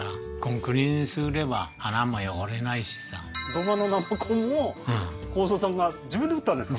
土間の生コンも幸三さんが自分で打ったんですか？